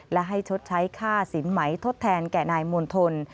และให้ชดใช้ค่าสินไหมทดแทนแก่นายมณฑล